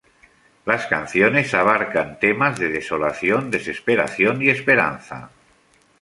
Las canciones abarcan temas de desolación, desesperación y esperanza.